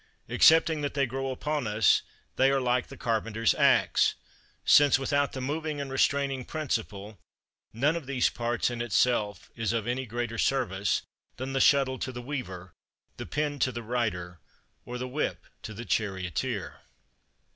Excepting that they grow upon us, they are like the carpenter's axe; since, without the moving and restraining principle, none of these parts in itself is of any greater service than the shuttle to the weaver, the pen to the writer, or the whip to the charioteer.